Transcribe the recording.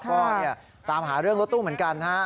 ก็ตามหาเรื่องรถตู้เหมือนกันฮะ